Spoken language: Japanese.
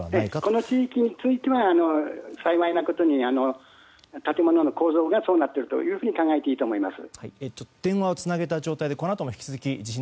この地域については幸いなことに建物の構造がそうなっていると考えていいと思います。